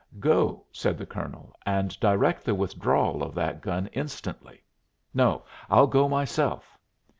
"Go," said the colonel, "and direct the withdrawal of that gun instantly. No I'll go myself."